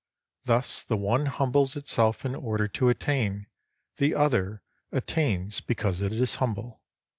Thus the one humbles itself in order to attain, the other attains because it is humble.